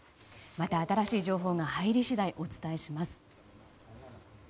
また新しい情報が入り次第お伝えします。